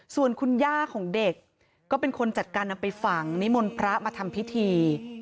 ส่วนคุณย่าของเด็กก็เป็นคนจัดการนำไปฝังนิมนต์พระมาทำพิธี